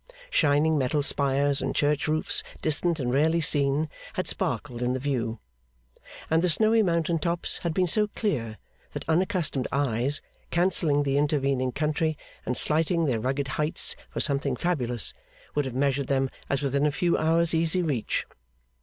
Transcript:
Shining metal spires and church roofs, distant and rarely seen, had sparkled in the view; and the snowy mountain tops had been so clear that unaccustomed eyes, cancelling the intervening country, and slighting their rugged heights for something fabulous, would have measured them as within a few hours easy reach.